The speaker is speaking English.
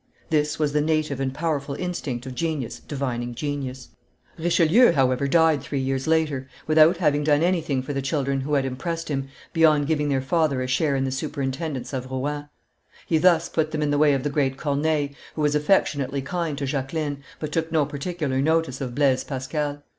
This was the native and powerful instinct of genius divining genius; Richelieu, however, died three years later, without having done anything for the children who had impressed him beyond giving their father a share in the superintendence of Rouen; he thus put them in the way of the great Corneille, who was affectionately kind to Jacqueline, but took no particular notice of Blaise Pascal.